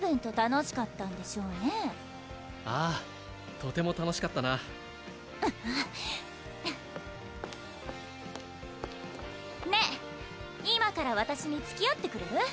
とても楽しかったなねっ今から私に付き合ってくれる？